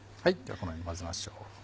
このように混ぜましょう。